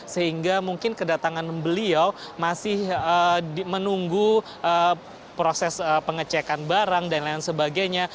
sehingga mungkin kedatangan beliau masih menunggu proses pengecekan barang dan lain sebagainya